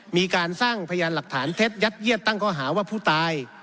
มีการสร้างพยานหลักฐานเท็จยัดเยียดตั้งข้อหาว่าผู้ตาย